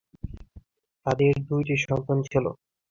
তাদের দুইটি সন্তান ছিল।